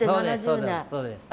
そうです